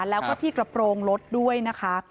แล้วก็ที่กระโปรงรถด้วยนะคะ